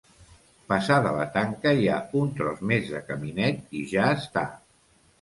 Passada la tanca hi ha un tros més de caminet i ja està.